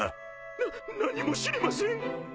な何も知りません！